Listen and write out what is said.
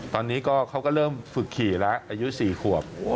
ตอนนี้เขาก็เริ่มฝึกขี่แล้วอายุ๔ขวบ